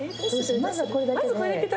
まずはこれだけで。